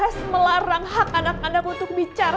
kamu puas melarang hak anak anak untuk bicara